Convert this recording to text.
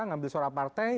ngambil suara partai